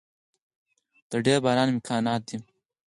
د ډیر باران امکانات دی